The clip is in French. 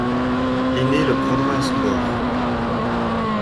Énée le prendra à son bord.